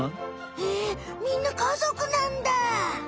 へえみんな家族なんだ。